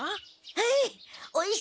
はい。